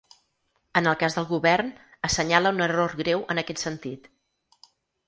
En el cas del govern, assenyala un error greu en aquest sentit.